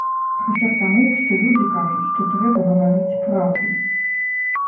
Хаця б таму, што людзі кажуць, што трэба гаварыць праўду.